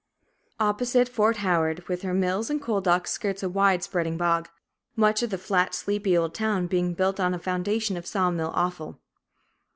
Opposite, Fort Howard with her mills and coal docks skirts a wide spreading bog, much of the flat, sleepy old town being built on a foundation of saw mill offal.